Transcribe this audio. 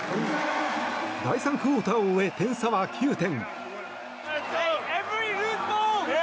第３クオーターを終え点差は９点。